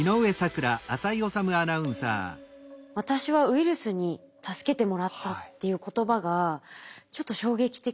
「私はウイルスに助けてもらった」っていう言葉がちょっと衝撃的でしたね。